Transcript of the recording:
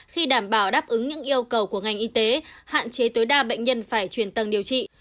khi đảm bảo đáp ứng những yêu cầu của ngành y tế hạn chế tối đa bệnh nhân phải chuyển tầng điều trị